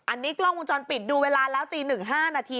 อันนี้กล้องวงจรปิดดูเวลาแล้วตี๑๕นาที